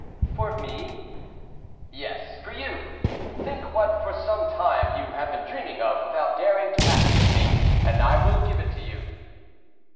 "For me?" "Yes, for you. Think what for some time you have been dreaming of, without daring to ask it of me, and I will give it to you."